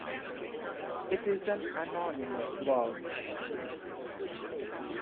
It is an anonymous work.